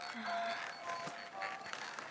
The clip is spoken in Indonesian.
nih ini udah gampang